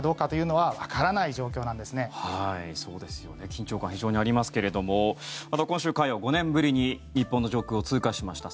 緊張感、非常にありますけれども今週火曜、５年ぶりに日本の上空を通過しました。